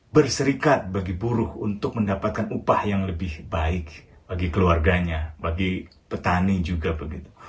berserikat bagi buruh untuk mendapatkan upah yang lebih baik bagi keluarganya bagi petani juga begitu